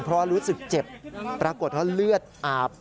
เพราะรู้สึกเจ็บปรากฏว่าเลือดอาบ